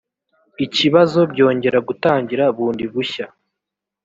ikibazo byongera gutangira bundi bushya